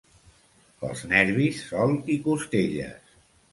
Pels nervis, sol i costelles.